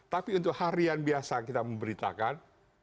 tapi untuk harian biasa kita memberitakan